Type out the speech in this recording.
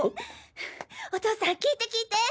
お父さん聞いて聞いて！